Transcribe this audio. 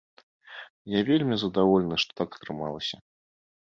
Я вельмі задаволены, што так атрымалася.